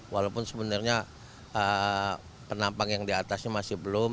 walaupun sebenarnya penampang yang diatasnya masih belum